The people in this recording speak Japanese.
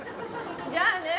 じゃあね。